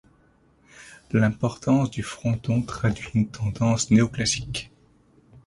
L'importance du fronton traduit une tendance néoclassique.